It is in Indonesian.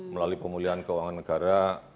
melalui pemulihan keuangan negara